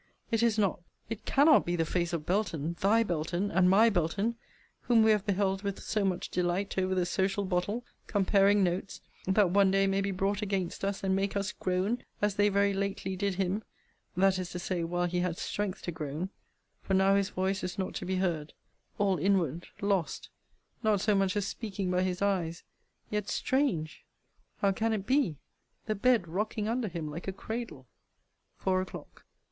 It is not, it cannot be the face of Belton, thy Belton, and my Belton, whom we have beheld with so much delight over the social bottle, comparing notes, that one day may be brought against us, and make us groan, as they very lately did him that is to say, while he had strength to groan; for now his voice is not to be heard; all inward, lost; not so much as speaking by his eyes; yet, strange! how can it be? the bed rocking under him like a cradle. FOUR O'CLOCK.